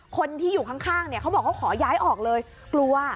คนที่อยู่ข้างเนี่ยเขาบอกว่าขอย้ายออกเลยกลัว